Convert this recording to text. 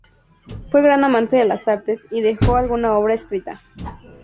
Fue gran amante de las artes y dejó alguna obra escrita.